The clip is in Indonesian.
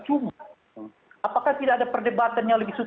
cuma apakah tidak ada perdebatan yang lebih sulit